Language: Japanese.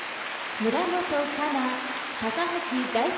村元哉中・高橋大輔。